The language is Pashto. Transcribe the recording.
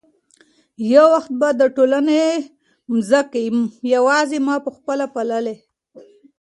یو وخت به دا ټولې مځکې یوازې ما په خپله پاللې.